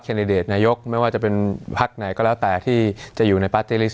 ดิเดตนายกไม่ว่าจะเป็นพักไหนก็แล้วแต่ที่จะอยู่ในปาร์ตี้ลิส